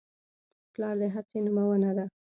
پلار د هڅې نمونه ده.